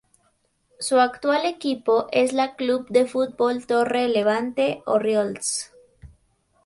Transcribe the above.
Su actual equipo es la Club de Fútbol Torre Levante Orriols.